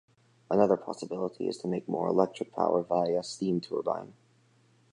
Another possibility is to make more electric power via a steam turbine.